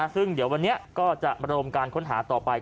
ซึ่งเดี๋ยววันนี้ก็จะระดมการค้นหาต่อไป